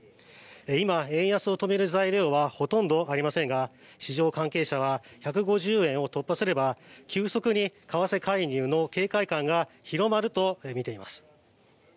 今、円安を止める材料はほとんどありませんが市場関係者は１５０円を突破すれば急速に為替介入の警戒感が広まると見ています。